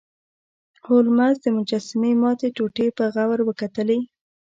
هولمز د مجسمې ماتې ټوټې په غور وکتلې.